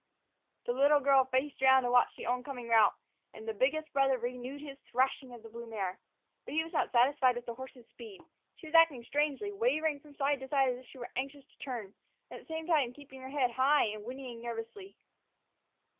The little girl faced around to watch the oncoming rout, and the biggest brother renewed his thrashing of the blue mare. But he was not satisfied with the horse's speed. She was acting strangely, wavering from side to side as if she were anxious to turn, at the same time keeping her head high and whinnying nervously.